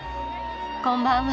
こんばんは。